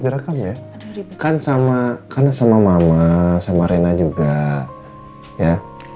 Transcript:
direkam ya kan sama karena sama mama sama rena juga ya